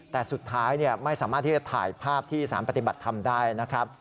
แต่สุดท้ายไม่สามารถที่จะถ่ายภาพที่สารปฏิบัติธรรมได้นะครับ